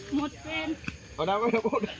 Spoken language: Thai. หมดเตน